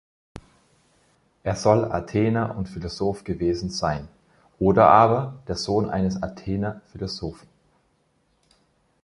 Er soll Athener und Philosoph gewesen sein oder aber der Sohn eines Athener Philosophen.